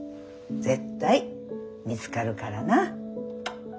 絶対見つかるからな。